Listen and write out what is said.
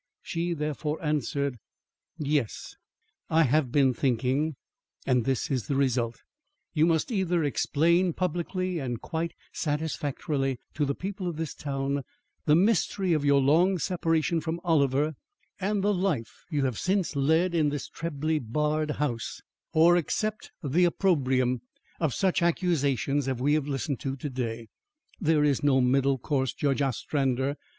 She, therefore, answered: "Yes; I have been thinking, and this is the result: You must either explain publicly and quite satisfactorily to the people of this town, the mystery of your long separation from Oliver and the life you have since led in this trebly barred house, or accept the opprobrium of such accusations as we have listened to to day. There is no middle course, Judge Ostrander.